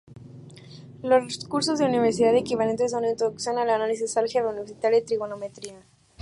Los cursos de universidad equivalentes son introducción al análisis, álgebra universitaria y trigonometría.